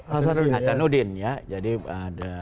hasanuddin ya jadi ada